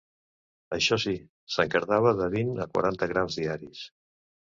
Això sí, se'n cardava de vint a quaranta grams diaris.